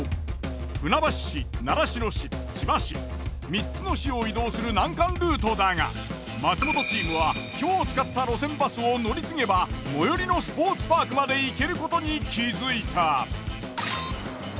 船橋市習志野市千葉市３つの市を移動する難関ルートだが松本チームは今日使った路線バスを乗り継げば最寄りのスポーツパークまで行けることに気づいた。